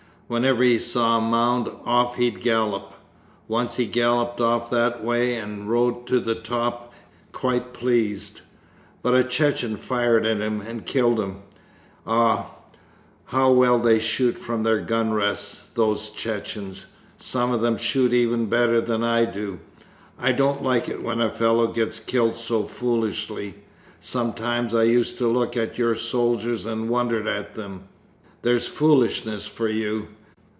Whenever he saw a mound, off he'd gallop. Once he galloped off that way and rode to the top quite pleased, but a Chechen fired at him and killed him! Ah, how well they shoot from their gun rests, those Chechens! Some of them shoot even better than I do. I don't like it when a fellow gets killed so foolishly! Sometimes I used to look at your soldiers and wonder at them. There's foolishness for you!